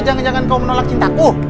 jangan jangan kau menolak cintaku